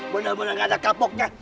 bener bener gak ada kapoknya